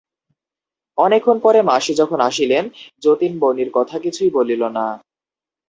অনেকক্ষণ পরে মাসি যখন আসিলেন যতীন মণির কথা কিছুই বলিল না।